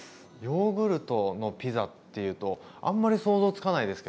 ヨーグルトのピザっていうとあんまり想像つかないですけど。